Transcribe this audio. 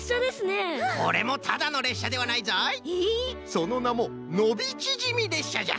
そのなも「のびちぢみれっしゃ」じゃ。